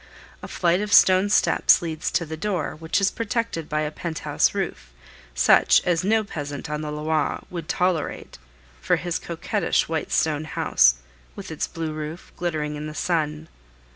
A flight of stone steps leads to the door, which is protected by a pent house roof, such as no peasant on the Loire would tolerate for his coquettish white stone house, with its blue roof, glittering in the sun.